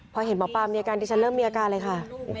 พอเห็นมับปานตาเดียวมีอาการฉันเริ่มมีอาการเลยค่ะ